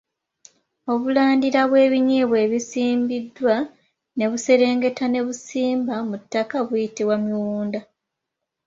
Obulandira bwe binyeebwa ebisimbiddwa ne buserengeta ne busimba mu ttaka buyitibwa Miwunda.